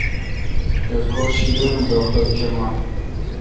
لٹکور شیدل اؘ ڈوگ دوگ کیمان۔